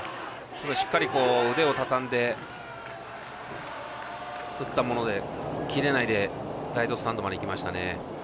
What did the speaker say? しっかりと腕をたたんで振ったので切れないでライトスタンドまでいきましたね。